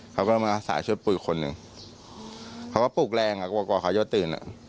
เขาก็มาอาศัยช่วยปลูกอีกคนหนึ่งเขาก็ปลูกแรงกว่าก่อนเขาจะตื่น